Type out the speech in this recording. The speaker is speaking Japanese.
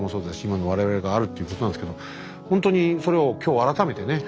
今の我々があるっていうことなんですけどほんとにそれを今日改めてね